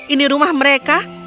ini rumah mereka